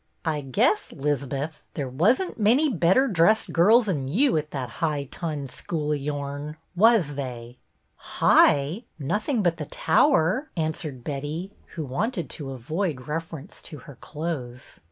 " I guess, 'Lizbeth, there was n't many better dressed girls 'n you at that high tunned school of yourn, was they " "High? Nothing but the tower," an swered Betty who wanted to avoid reference to her clothes.